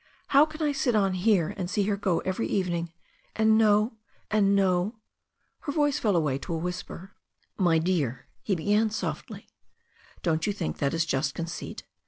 How can I sit on here and see her go every eve ing — ^and know — ^and know Her voice fell away to a whisper. "My dear," he began very softly. "Don't you think that is just conceit?